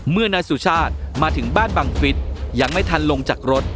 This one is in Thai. เมื่อนายสุชาติมาถึงบ้านบังฟิศยังไม่ทันลงจากรถ